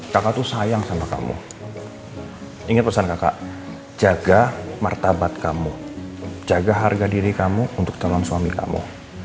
kakak tuh sayang sama kamu ingat pesan kakak jaga martabat kamu jaga harga diri kamu untuk teman suami kamu